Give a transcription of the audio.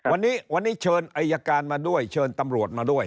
วันนี้วันนี้เชิญอายการมาด้วยเชิญตำรวจมาด้วย